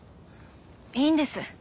いいんです。